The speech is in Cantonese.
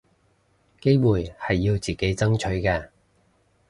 機會係要自己爭取嘅